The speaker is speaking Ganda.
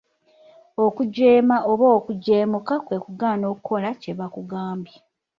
Okujeema oba okujeemuka kwe kugaana okukola kye bakugambye.